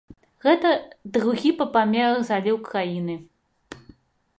Гэта другі па памерах заліў краіны.